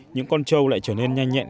những con châu lại trở nên nhanh nhẹn